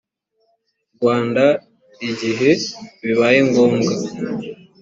rwanda igihe bibaye ngombwa